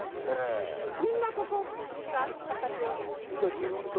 みんなここみんな畑を。